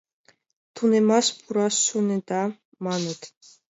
— Тунемаш пураш шонеда, маныт.